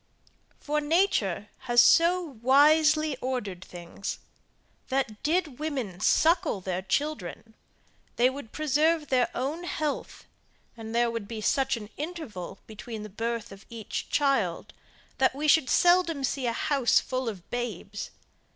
For nature has so wisely ordered things, that did women suckle their children, they would preserve their own health, and there would be such an interval between the birth of each child, that we should seldom see a house full of babes.